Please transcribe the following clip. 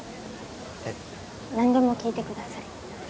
えっ何でも聞いてください